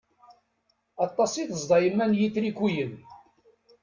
Aṭas i tezḍa yemma n yitrikuyen.